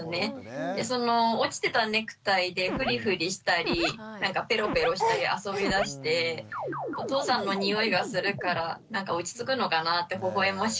その落ちてたネクタイでフリフリしたりペロペロしたり遊びだしてお父さんの匂いがするから落ち着くのかなってほほ笑ましく思いながら